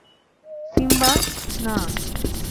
Simba, না!